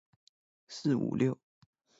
四五六